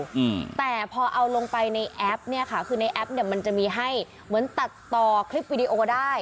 อืมแต่พอเอาลงไปในแอปเนี้ยค่ะคือในแอปเนี้ยมันจะมีให้เหมือนตัดต่อคลิปวิดีโอได้